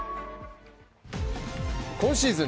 今シーズン